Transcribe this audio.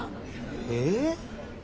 えっ？